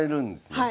はい。